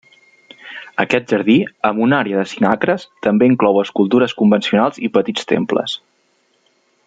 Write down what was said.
Aquest jardí, amb una àrea de cinc acres, també inclou escultures convencionals i petits temples.